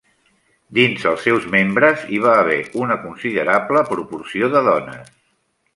Dins els seus membres, hi va haver una considerable proporció de dones.